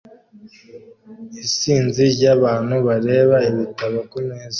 Isinzi ryabantu bareba ibitabo kumeza